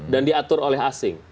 dan diatur oleh asing